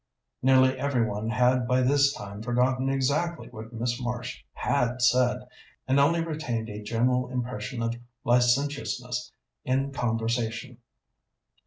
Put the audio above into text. Nearly every one had by this time forgotten exactly what Miss Marsh had said, and only retained a general impression of licentiousness in conversation.